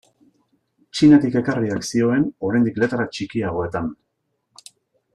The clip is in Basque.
Txinatik ekarriak zioen oraindik letra txikiagoetan.